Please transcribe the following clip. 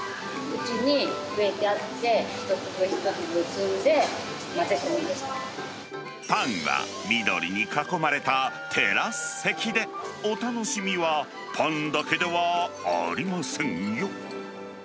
うちに植えてあって、パンは緑に囲まれたテラス席で、お楽しみはパンだけではありませんよ。